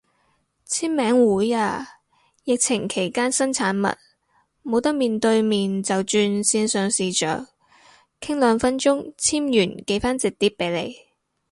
簽名會啊，疫情期間新產物，冇得面對面就轉線上視象，傾兩分鐘簽完寄返隻碟俾你